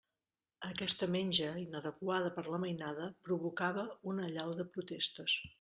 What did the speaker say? Aquesta menja, inadequada per a la mainada, provocava una allau de protestes.